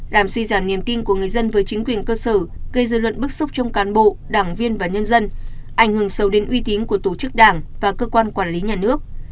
làm suy giảm niềm tin của người dân với chính quyền cơ sở gây dư luận bức xúc trong cán bộ đảng viên và nhân dân ảnh hưởng sâu đến uy tín của tổ chức đảng và cơ quan quản lý nhà nước